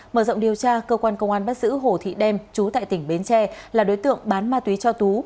mở rộng điều tra cơ quan công an bắt giữ hồ thị đem chú tại tỉnh bến tre là đối tượng bán ma túy cho tú